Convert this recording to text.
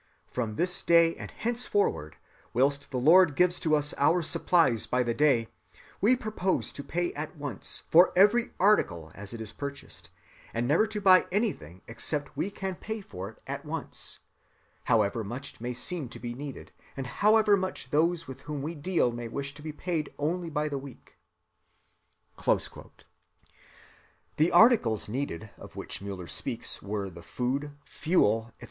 From this day and henceforward whilst the Lord gives to us our supplies by the day, we purpose to pay at once for every article as it is purchased, and never to buy anything except we can pay for it at once, however much it may seem to be needed, and however much those with whom we deal may wish to be paid only by the week." The articles needed of which Müller speaks were the food, fuel, etc.